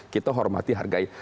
kita hormati hargai